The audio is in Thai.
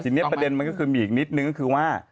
ทีนี้ประเด็นมันก็คือมีอีกนิดนึงก็คือว่า